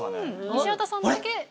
西畑さんだけＢ。